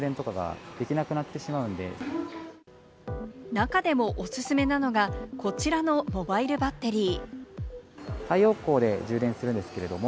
中でもおすすめなのが、こちらのモバイルバッテリー。